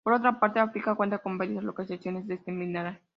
Por otra parte, África cuenta con varias localizaciones de este mineral.